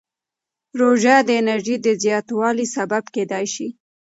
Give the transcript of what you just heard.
روژه د انرژۍ د زیاتوالي سبب کېدای شي.